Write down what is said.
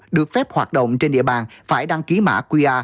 được phép hoạt động trên địa bàn phải đăng ký mã qr